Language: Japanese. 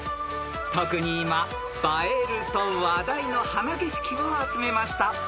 ［特に今映えると話題の花景色を集めました］